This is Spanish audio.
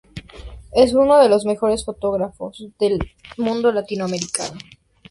Es uno de los mejores fotógrafo del mundo latinoamericano.